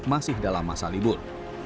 masih dalam masa libur